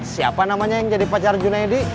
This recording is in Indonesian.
siapa namanya yang jadi pacar junaidi